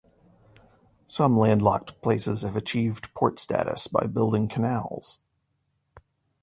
Some landlocked places have achieved port status by building canals.